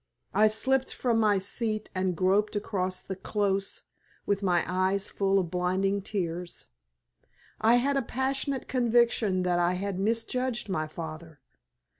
I slipped from my seat and groped across the close with my eyes full of blinding tears. I had a passionate conviction that I had misjudged my father.